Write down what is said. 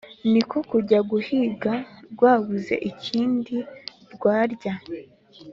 ni ko kujya guhiga rwabuze ikindi rwarya,